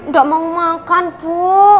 gak mau makan bu